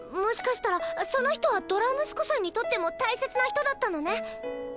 もしかしたらその人はドラムスコさんにとっても大切な人だったのね？